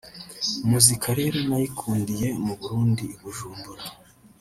Muzika rero nayikundiye mu Burundi i Bujumbura